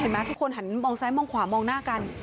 ทุกคนหันมองซ้ายมองขวามองหน้ากัน